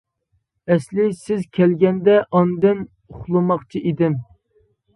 ئەسلى سىز كەلگەندە ئاندىن ئۇخلىماقچى ئىدىم.